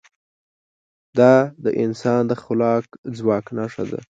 دا د انسان د خلاق ځواک نښه ده.